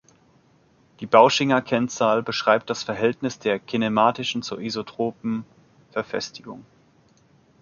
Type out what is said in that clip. Die Bauschinger-Kennzahl beschreibt das Verhältnis der kinematischen zur isotropen Verfestigung.